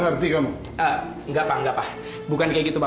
masih siap kayak apa